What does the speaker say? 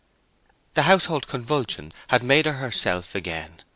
The household convulsion had made her herself again.